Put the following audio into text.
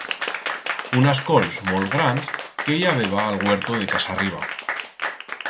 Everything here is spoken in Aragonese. Unas cols molt grans que i habeba a'l huerto de casa Riba.